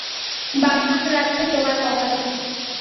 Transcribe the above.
বাম হাত রাখবে তোমার কপালে।